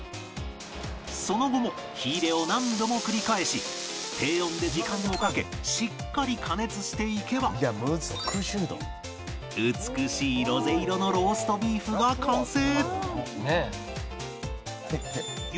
その後も火入れを何度も繰り返し低温で時間をかけしっかり加熱していけば美しいロゼ色のローストビーフが完成